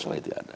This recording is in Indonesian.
masalah itu ada